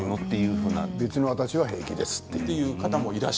別に私は平気ですって。